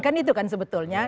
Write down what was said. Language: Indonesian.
kan itu kan sebetulnya